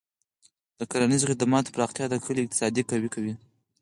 د کرنیزو خدماتو پراختیا د کلیو اقتصاد قوي کوي.